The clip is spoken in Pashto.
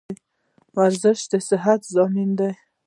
ورزش دصحت ضامن دي.